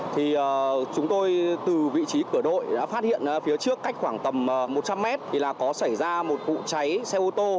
thì chúng tôi từ vị trí cửa đội đã phát hiện phía trước cách khoảng tầm một trăm linh mét thì là có xảy ra một vụ cháy xe ô tô